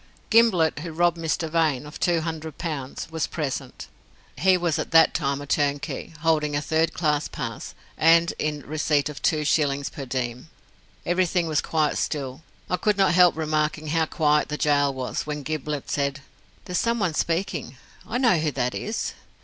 Gimblett, who robbed Mr. Vane of two hundred pounds, was present, he was at that time a turnkey, holding a third class pass, and in receipt of two shillings per diem. Everything was quite still. I could not help remarking how quiet the gaol was, when Gimblett said, "There's someone speaking. I know who that is."